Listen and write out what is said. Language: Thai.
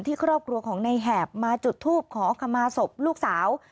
ครอบครัวของในแหบมาจุดทูปขอขมาศพลูกสาว